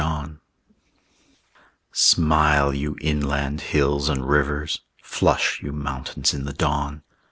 JOHN Smile, you inland hills and rivers! Flush, you mountains in the dawn!